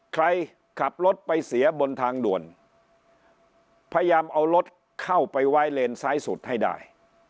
ใครขับรถไปเสียบนทางด่วนพยายามเอารถเข้าไปไว้เลนซ้ายสุดให้ได้